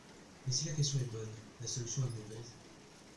Mais si la question est bonne, la solution est mauvaise.